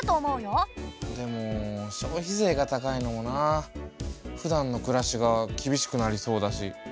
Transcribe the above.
でも消費税が高いのもなあ。ふだんの暮らしが厳しくなりそうだし。